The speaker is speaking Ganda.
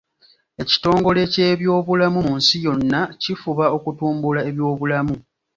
Ekitongole ky’ebyobulamu mu nsi yonna kifuba okutumbula ebyobulamu.